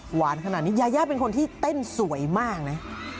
หวานขนาดนี้ยายาเป็นคนที่เต้นสวยมากนะ